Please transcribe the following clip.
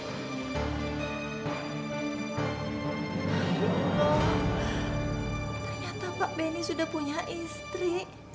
ternyata pak benny sudah punya istri